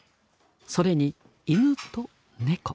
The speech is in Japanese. それに犬と猫。